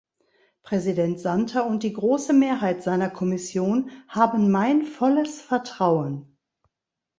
Präsident Santer und die große Mehrheit seiner Kommission haben mein volles Vertrauen.